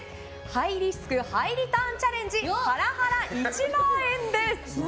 ハイリスクハイリターンチャレンジハラハラ１万円です。